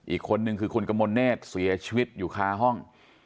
อีกคนนึงคือคุณกมลเนธเสียชีวิตอยู่คาห้อง